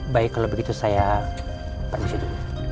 baik kalau begitu saya permisi dulu